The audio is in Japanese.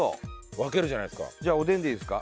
分けるじゃないですか。